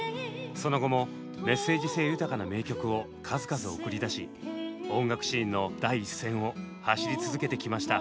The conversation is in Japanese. その後もメッセージ性豊かな名曲を数々送り出し音楽シーンの第一線を走り続けてきました。